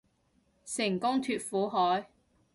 成功脫苦海